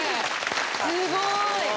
すごい！